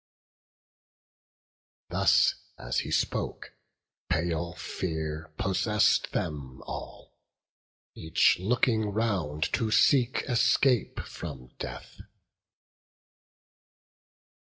Thus as he spoke, pale fear possess'd them all, Each looking round to seek escape from death.